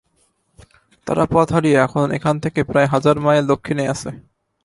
তারা পথ হারিয়ে এখন এখান থেকে প্রায় হাজার মাইল দক্ষিণে আছে।